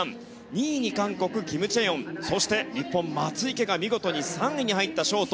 ２位に韓国、キム・チェヨンそして日本、松生が見事に３位に入ったショート。